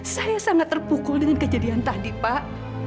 saya sangat terpukul dengan kejadian tadi pak